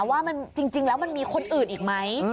ว่าจริงแล้วมันมีคนอื่นอีกไหม